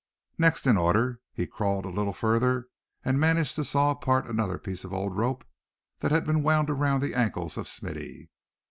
Next in order he crawled a little further, and managed to saw apart another piece of old rope that had been wound around the ankles of Smithy.